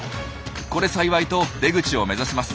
これ幸いと出口を目指します。